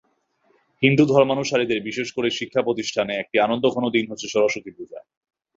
হিন্দু ধর্মানুসারীদের বিশেষ করে শিক্ষাপ্রতিষ্ঠানে একটি আনন্দঘন দিন হচ্ছে সরস্বতী পূজা।